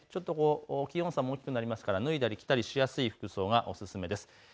気温差も大きくなりますから脱いだり着たりしやすい服装がおすすめです。